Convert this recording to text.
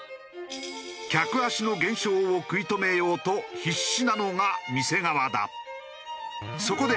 客足の減少を食い止めようと必死なのが店側だ。